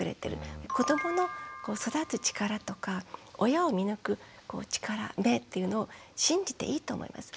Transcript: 子どもの育つ力とか親を見抜く力目っていうのを信じていいと思います。